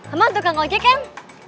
emang tukang ojek kan